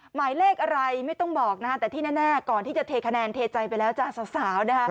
หมายเลขอะไรไม่ต้องบอกนะฮะแต่ที่แน่ก่อนที่จะเทคะแนนเทใจไปแล้วจ้ะสาวนะคะ